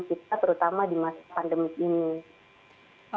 oke wah berarti memang menjaga daya tahan tubuh ini juga harus diperlukan